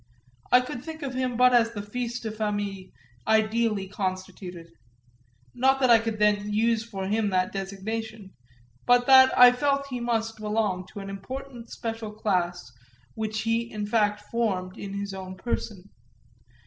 I could think of him but as the fils de famille ideally constituted; not that I could then use for him that designation, but that I felt he must belong to an important special class, which he in fact formed in his own person.